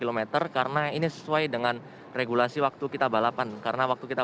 temunya itu dua puluh dua km karena ini sesuai dengan regulasi waktu kita balapan karena waktu kita